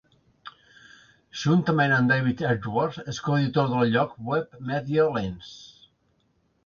Juntament amb David Edwards, és coeditor del lloc web Media Lens.